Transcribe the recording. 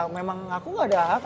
memang aku gak ada hak